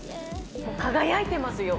輝いてますよ。